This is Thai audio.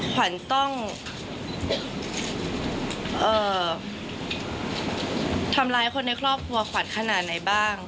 ขวัญต้องทำร้ายคนในครอบครัวขวัญขนาดไหนบ้าง